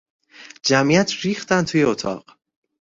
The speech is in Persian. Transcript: جمعیت ریختند توی اتاق.